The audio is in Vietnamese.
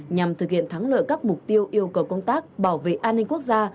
nhằm thực hiện thắng lợi các mục tiêu yêu cầu công tác bảo vệ an ninh quốc gia